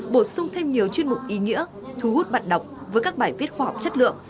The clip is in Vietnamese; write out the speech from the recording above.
bổ sung thêm nhiều chuyên mục ý nghĩa thu hút bạn đọc với các bài viết khoa học chất lượng